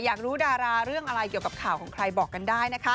อยากรู้ดาราเรื่องอะไรเกี่ยวกับข่าวของใครบอกกันได้นะคะ